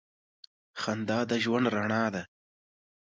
• خندا د ژوند رڼا ده.